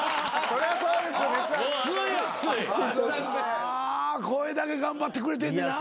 これだけ頑張ってくれてんねんな。